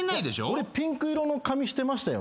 俺ピンク色の髪してましたよね？